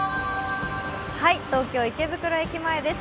東京・池袋駅前です。